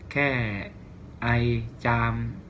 แค่ไอจาม